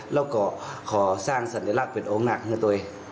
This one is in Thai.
แล้วก็ขอสร้างสัญลักษณ์เป็นโอข์นักของตัว